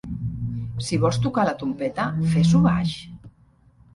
Si vols tocar la trompeta, fes-ho baix.